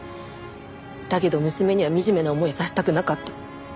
だけど娘にはみじめな思いをさせたくなかった。